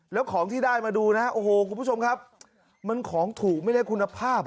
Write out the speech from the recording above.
แล้วของที่ได้มาดูนะฮะโอ้โหคุณผู้ชมครับมันของถูกไม่ได้คุณภาพ